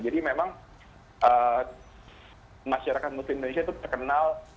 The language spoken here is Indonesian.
jadi memang masyarakat muslim indonesia itu terkenal